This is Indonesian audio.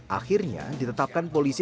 akhirnya ditetapkan polisi